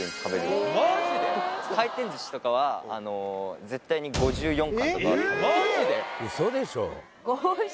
回転寿司とかは絶対に５４貫とかは食べるマジで！？